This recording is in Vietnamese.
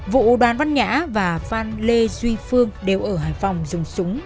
vụ đoàn văn nhã và phan lê duy phương đều ở hải phòng dùng súng